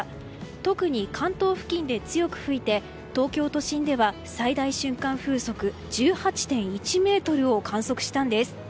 特に関東付近で強く吹いて東京都心では最大瞬間風速１８．１メートルを観測したんです。